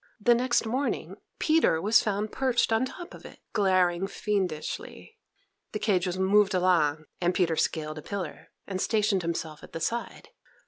The next morning, Peter was found perched on top of it, glaring fiendishly. The cage was moved along; and Peter scaled a pillar, and stationed himself at the side.